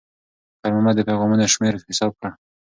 خیر محمد د پیغامونو شمېر حساب کړ.